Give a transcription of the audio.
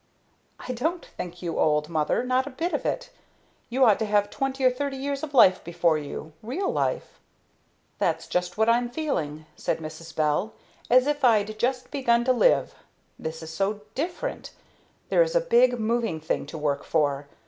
"I don't think you old, mother, not a bit of it. You ought to have twenty or thirty years of life before you, real life." "That's just what I'm feeling," said Mrs. Bell, "as if I'd just begun to live! This is so different! There is a big, moving thing to work for.